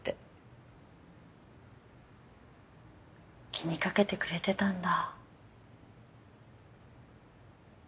気にかけてくれてたんだ。